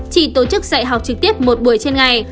chỉ tổ chức dạy học trực tiếp một buổi trên ngày